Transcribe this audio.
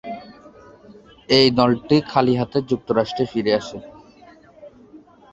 এই দলটি খালি হাতে যুক্তরাষ্ট্রে ফিরে আসে।